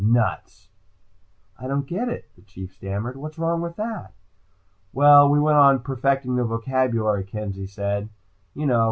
Nuts!" "I don't get it," the Chief stammered. "What's wrong with that?" "Well, we went on perfecting the vocabulary," Kenzie said. "You know.